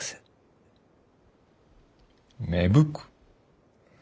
芽吹く？